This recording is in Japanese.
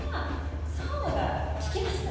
そうだ聞きましたね。